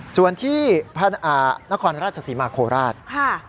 ส่วนที่พระนาคารราชสิมาโคราช